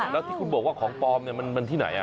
แล้วที่คุณบอกว่าของปลอมมันที่ไหน